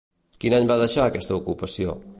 Quin any va deixar aquesta ocupació?